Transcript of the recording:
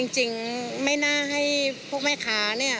จริงไม่น่าให้พวกแม่ค้าเนี่ย